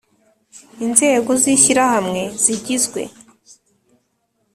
Inzego z ishyirahamwe zigizwe